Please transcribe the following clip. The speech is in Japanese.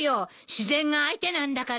自然が相手なんだから。